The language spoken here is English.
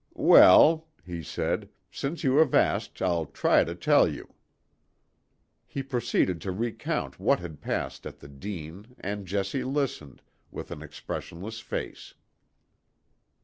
"Well," he said, "since you have asked, I'll try to tell you." He proceeded to recount what had passed at the Dene and Jessie listened, with an expressionless face.